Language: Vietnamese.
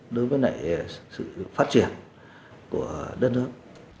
đối với lại sự phát triển của đất nước